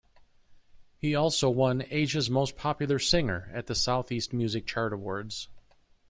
He also won "Asia's Most Popular Singer" at the South East Music Chart Awards.